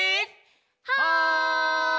はい！